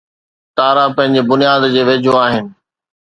تارا پنهنجي بنياد جي ويجهو آهن